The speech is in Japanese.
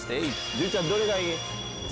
潤ちゃんどれがいい？